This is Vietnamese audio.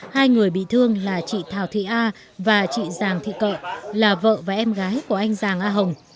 hai người bị thương là chị thảo thị a và chị giàng thị cậu là vợ và em gái của anh giàng a hồng